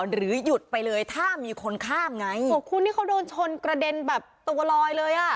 หรือหยุดไปเลยถ้ามีคนข้ามไงโอ้โหคุณนี่เขาโดนชนกระเด็นแบบตัวลอยเลยอ่ะ